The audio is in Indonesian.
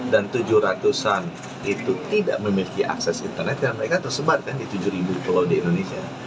tujuh ratus an itu tidak memiliki akses internet dan mereka tersebar kan di tujuh ribu pulau di indonesia